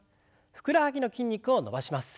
ふくらはぎの筋肉を伸ばします。